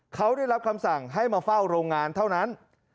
เขาได้รับคำสั่งให้มาเฝ้าโรงงานเท่านั้น